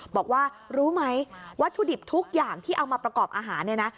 บอกว่ารู้ไหมวัตถุดิบทุกอย่างที่เอามาประกอบอาหารเนี่ยนะ